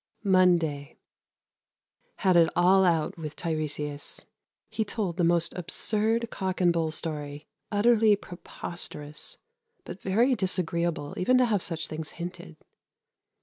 Monday. Had it all out with Tiresias. He told the most absurd cock and bull story. Utterly preposterous, but very disagreeable even to have such things hinted.